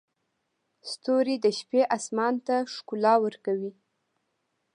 ستوري د شپې اسمان ته ښکلا ورکوي.